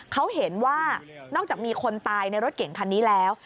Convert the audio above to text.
เขาเห็นว่านอกจากมีคนตายในรถเก่งคันนี้แล้ว